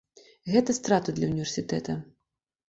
Гэта страта для ўніверсітэта.